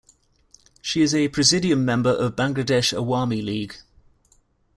She is a presidium member of Bangladesh Awami League.